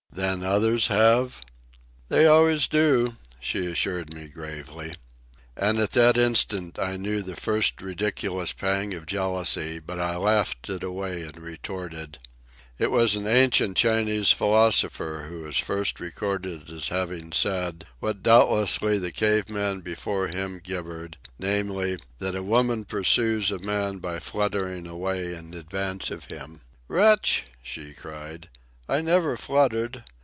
"Then others have ...?" "They always do," she assured me gravely. And at that instant I knew the first ridiculous pang of jealousy; but I laughed it away and retorted: "It was an ancient Chinese philosopher who is first recorded as having said, what doubtlessly the cave men before him gibbered, namely, that a woman pursues a man by fluttering away in advance of him." "Wretch!" she cried. "I never fluttered.